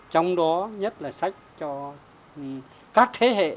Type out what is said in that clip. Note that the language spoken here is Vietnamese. trong đó nhất là sách cho các thế hệ